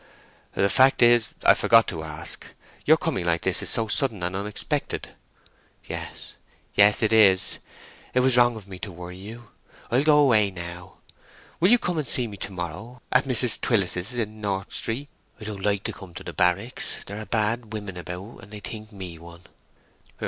"The fact is, I forgot to ask. Your coming like this is so sudden and unexpected." "Yes—yes—it is. It was wrong of me to worry you. I'll go away now. Will you come and see me to morrow, at Mrs. Twills's, in North Street? I don't like to come to the Barracks. There are bad women about, and they think me one."